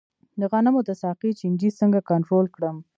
د غنمو د ساقې چینجی څنګه کنټرول کړم؟